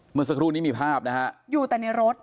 เมื่อสักครู่นี้มีภาพนะฮะอยู่แต่ในรถ